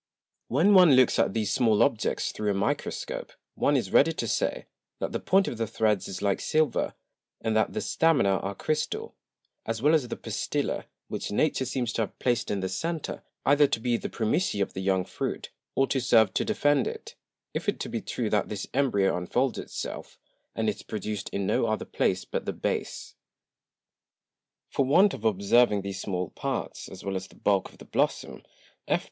When one looks at these small Objects through a Microscope, one is ready to say, That the Point of the Threads is like Silver, and that the Stamina are Chrystal; as well as the Pistilla, which Nature seems to have placed in the Center, either to be the Primitiæ of the young Fruit, or to serve to defend it, if it be true that this Embryo unfolds itself, and is produced in no other place but the Base. For want of observing these small Parts, as well as the Bulk of the Blossom, _F.